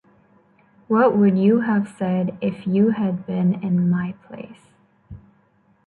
What would you have said if you had been in my place?